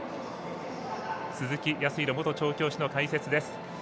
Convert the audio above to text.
鈴木康弘元調教師の解説です。